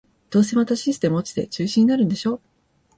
どうせまたシステム落ちて中止になるんでしょ